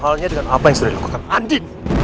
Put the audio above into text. sama halnya dengan apa yang sudah dilakukan andi